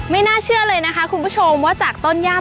ไม่น่าเชื่อเลยนะคะคุณผู้ชมว่าจากต้นญาติ